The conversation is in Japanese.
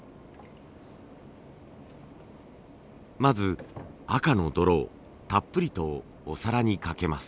まず赤の泥をたっぷりとお皿にかけます。